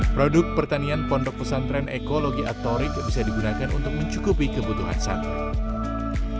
produk pertanian pondok pesantren ekologi atorik bisa digunakan untuk mencukupi kebutuhan santan